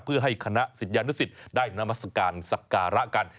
เพื่อให้คณะศิษยานุสิตได้นามัศกาลสักการะกัน